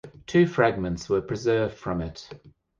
Two fragments were preserved from it.